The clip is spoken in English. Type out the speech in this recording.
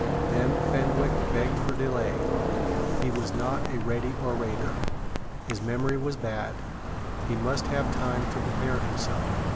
Then Fenwick begged for delay. He was not a ready orator; his memory was bad; he must have time to prepare himself.